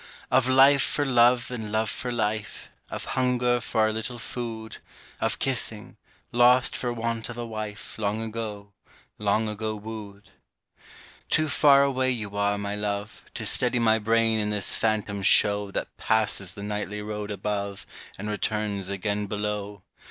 Of life for love and love for life, Of hunger for a little food, Of kissing, lost for want of a wife Long ago, long ago wooed. ...... Too far away you are, my love, To steady my brain in this phantom show That passes the nightly road above And returns again below.